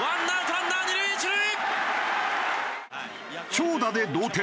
長打で同点。